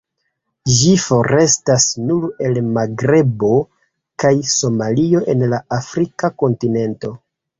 Ĝi forestas nur el Magrebo kaj Somalio en la afrika kontinento.